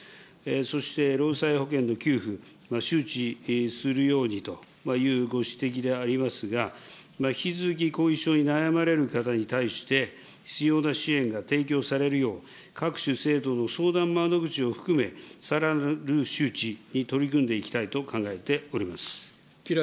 そして労災保険の給付、周知するようにというご指摘でありますが、引き続き後遺症に悩まれる方に対して、必要な支援が提供されるよう、各種制度の相談窓口を含め、さらなる周知に取り組んでいきたいと考えております。